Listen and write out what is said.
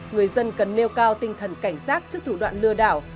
người dân cần nêu cao tinh thần cảnh giác trước thủ đoạn lừa đảo